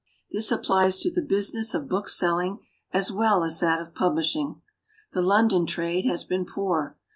This ap plies to the business of bookselling as well as that of publishing. The Lon don trade has been poor.